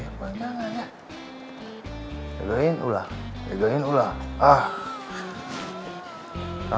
jangan jangan ya jagain ular jagain ular